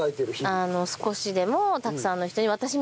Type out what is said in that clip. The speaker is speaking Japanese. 少しでもたくさんの人に私みたく